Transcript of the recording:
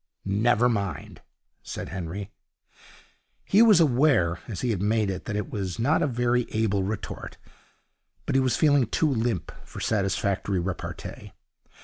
'Never mind,' said Henry. He was aware, as he made it, that it was not a very able retort, but he was feeling too limp for satisfactory repartee.